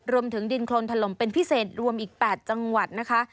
รวมถึงดินโครนถล่มเป็นพิเศษรวมอีก๘จังหวัดนะคะ